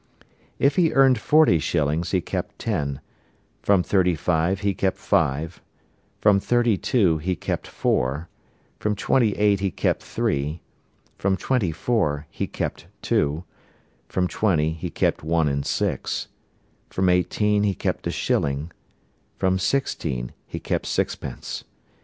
If he earned forty shillings he kept ten; from thirty five he kept five; from thirty two he kept four; from twenty eight he kept three; from twenty four he kept two; from twenty he kept one and six; from eighteen he kept a shilling; from sixteen he kept sixpence.